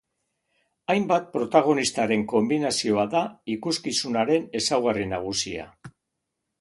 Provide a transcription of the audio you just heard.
Hainbat protagonistaren konbinazioa da ikuskizunaren ezaugarri nagusia.